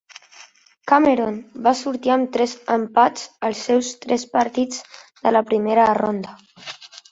Cameroon va sortir amb tres empats als seus tres partits de la primera ronda.